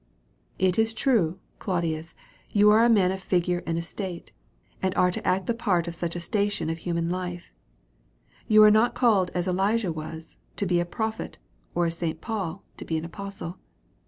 It is true, Claudias, you are a man of figure and es tate, and are to act the part of such a station of human life ; you are not called as Elijah was, to be a prophet, or as St. Paul, to be an apostle.